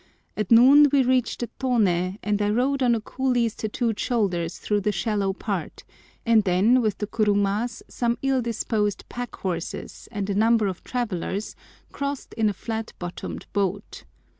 At noon we reached the Toné, and I rode on a coolie's tattooed shoulders through the shallow part, and then, with the kurumas, some ill disposed pack horses, and a number of travellers, crossed in a flat bottomed boat.